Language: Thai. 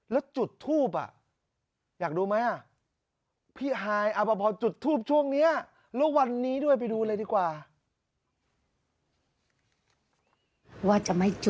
แล้วจุดทูปอ่ะอยากดูไหมอ่ะพี่ฮายอาภพรจุดทูปช่วงนี้